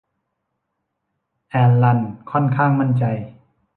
แอลลันค่อนข้างมั่นใจ